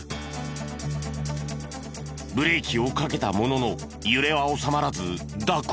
ブレーキをかけたものの揺れは収まらず蛇行。